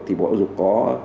thì bộ học dục có